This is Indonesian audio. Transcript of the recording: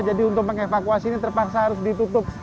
jadi untuk mengevakuasi ini terpaksa harus ditutup